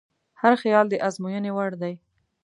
هر خیال د ازموینې وړ دی.